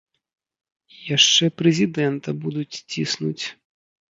І яшчэ прэзідэнта будуць ціснуць.